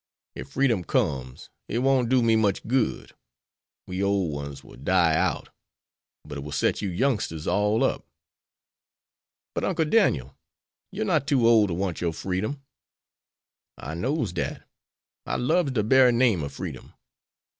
Ef freedom comes it won't do me much good; we ole one's will die out, but it will set you youngsters all up." "But, Uncle Daniel, you're not too old to want your freedom?" "I knows dat. I lubs de bery name of freedom.